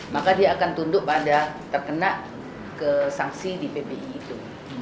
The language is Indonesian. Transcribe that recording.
maka dia akan tunduk pada terkena ke sanksi di ppi itu